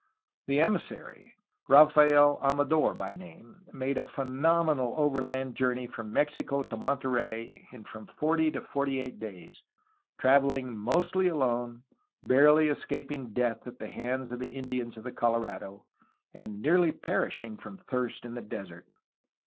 The emissary, Rafael Amador by name, made a phenomenal overland journey from Mexico to Monterey in from forty to forty eight days, traveling mostly alone, barely escaping death at the hands of the Indians of the Colorado, and nearly perishing from thirst in the desert.